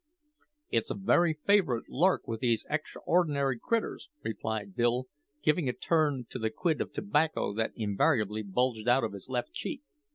"It's a very favourite lark with these 'xtr'or'nary critters," replied Bill, giving a turn to the quid of tobacco that invariably bulged out of his left cheek.